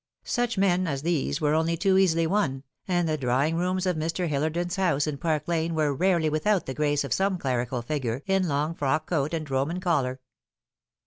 Such men as these were only too easily won, and the drawing rooms of Mr. Hillersdon's house in Pars Lane were rarely without the grace of some clerical figure in long frock coat and Roman collar.